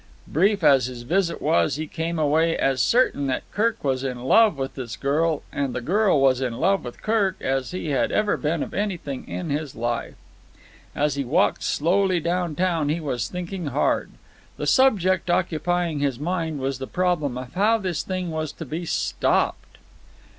Brief as his visit was, he came away as certain that Kirk was in love with this girl, and the girl was in love with Kirk, as he had ever been of anything in his life. As he walked slowly down town he was thinking hard. The subject occupying his mind was the problem of how this thing was to be stopped.